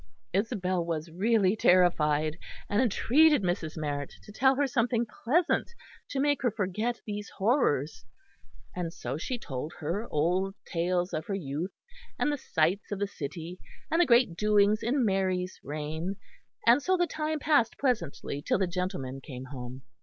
Isabel was really terrified, and entreated Mrs. Marrett to tell her something pleasant to make her forget these horrors; and so she told her old tales of her youth, and the sights of the city, and the great doings in Mary's reign; and so the time passed pleasantly till the gentlemen came home.